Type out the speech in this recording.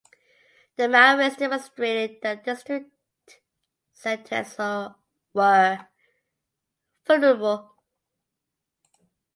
The Maoists demonstrated that district centres were vulnerable.